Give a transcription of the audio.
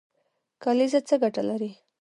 کلیزه څه ګټه لري؟